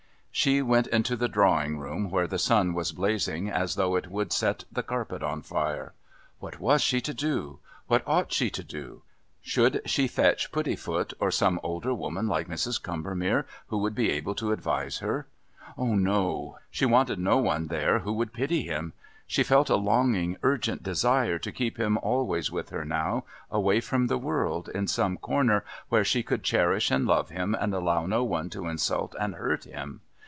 She went into the drawing room, where the sun was blazing as though it would set the carpet on fire. What was she to do? What ought she to do? Should she fetch Puddifoot or some older woman like Mrs. Combermere, who would be able to advise her? Oh, no. She wanted no one there who would pity him. She felt a longing, urgent desire to keep him always with her now, away from the world, in some corner where she could cherish and love him and allow no one to insult and hurt him.